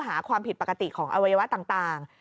หาความผิดปกติของอวัยวะต่าง